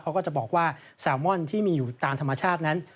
เขาก็จะบอกว่าแซลมอนที่มีอยู่ตามธรรมชาตินั้น